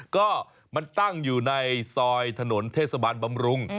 ก็มันตั้งอยู่ในซอยถนนเทศบาลบำรุง